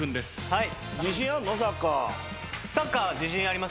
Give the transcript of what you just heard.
はい。